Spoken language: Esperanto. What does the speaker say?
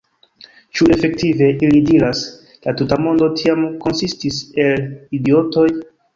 « Ĉu efektive », ili diras, « la tuta mondo tiam konsistis el idiotoj?"